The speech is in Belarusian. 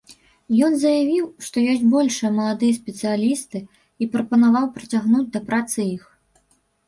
Ён заявіў, што ёсць больш маладыя спецыялісты, і прапанаваў прыцягнуць да працы іх.